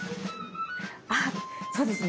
あそうですね